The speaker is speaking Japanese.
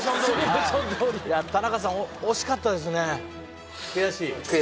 はい田中さん惜しかったですね悔しい？